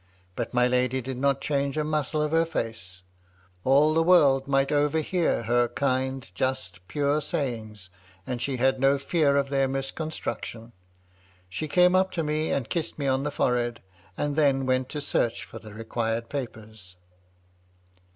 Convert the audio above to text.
But my lady did not change a muscle of her face. All the world might overhear her kind, just, pure sayings, and she had no fear of their misconstruc tion. She came up to me, and kissed me on the fore head, and then went to search for the required papers.